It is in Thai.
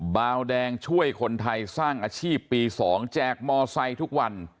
บาวแดงช่วยคนไทยสร้างอาชีพปี๒แจกมอไซค์ทุกวัน